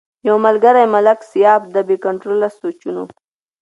يو ملکري ملک سياف د بې کنټروله سوچونو